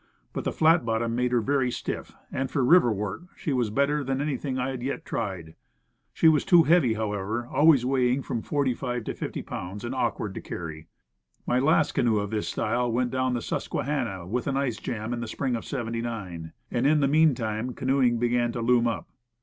But the flat bottom made her very stiff, and for river work she was better than anything I had yet tried. She was too heavy, however, always weighing from 45 to 50 pounds, and awkward to carry. My last canoe of this style went down the Susque hanna with an ice jam in the spring of '79, and in the meantime canoeing began to loom up.